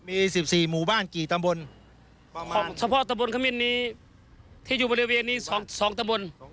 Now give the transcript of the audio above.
มี๑๔หมู่บ้านกี่ตำบลเฉพาะตำบลขมิ้นนี้ที่อยู่บริเวณนี้๒ตำบล